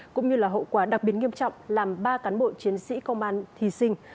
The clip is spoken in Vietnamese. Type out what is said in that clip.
cũng như hậu quả đặc biệt nghiêm trọng làm ba cán bộ chiến sĩ công an thí sinh